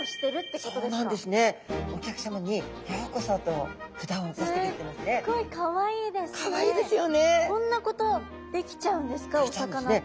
こんなことできちゃうんですかお魚って。